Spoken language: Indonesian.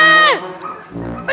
terima kasih pak